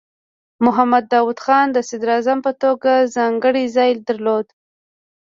محمد داؤد خان د صدراعظم په توګه ځانګړی ځای درلود.